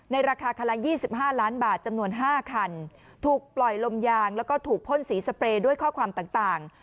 ราคาคันละ๒๕ล้านบาทจำนวน๕คันถูกปล่อยลมยางแล้วก็ถูกพ่นสีสเปรย์ด้วยข้อความต่าง